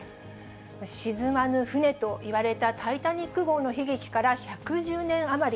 沈まぬ船といわれたタイタニック号の悲劇から１１０年余り。